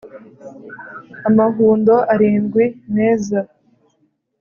Amahundo arindwi meza